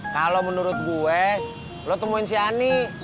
kalau menurut gue lo temuin si ani